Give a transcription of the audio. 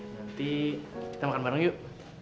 nanti kita makan bareng yuk